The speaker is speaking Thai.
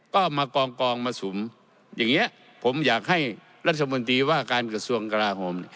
ก็มากองมาสุมอย่างนี้ผมอยากให้รัฐมนตรีว่าการกระทรวงกราโหม